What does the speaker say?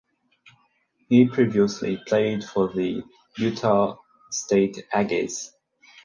He previously played for the Utah State Aggies.